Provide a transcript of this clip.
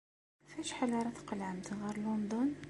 Ɣef wacḥal ara tqelɛemt ɣer London?